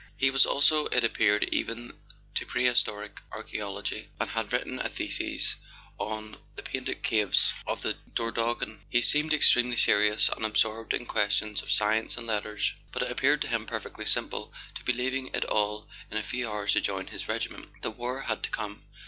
He was also, it appeared, given to prehistoric archae¬ ology, and had written a "thesis" on the painted caves of the Dordogne. He seemed extremely serious, and absorbed in questions of science and letters. But it appeared to him perfectly simple to be leaving it all in a few hours to join his regiment. "The war had to come.